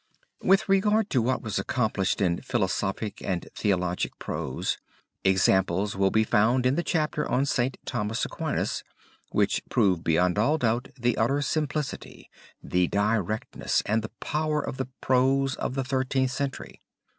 With regard to what was accomplished in philosophic and theologic prose, examples will be found in the chapter on St. Thomas Aquinas, which prove beyond all doubt the utter simplicity, the directness, and the power of the prose of the Thirteenth Century.